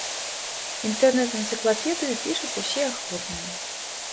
Інтэрнэт-энцыклапедыю пішуць усе ахвотныя.